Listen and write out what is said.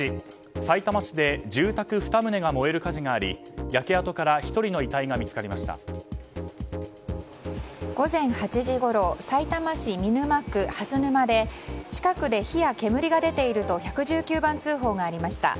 さいたま市で住宅２棟が燃える火事があり焼け跡から午前８時ごろさいたま市見沼区蓮沼で近くで火や煙が出ていると１１９番通報がありました。